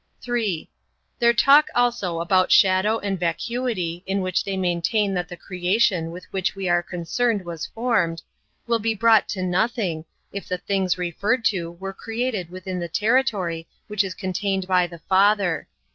3. Their talk also about shadow and vacuity, in which they maintain that the creation with which we are concerned was formed, will be brought to nothing, if the things referred to were created within the territory which is contained by the Father.